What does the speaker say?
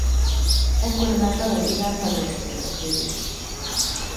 Ekkora már dalai iránt nagy volt az érdeklődés.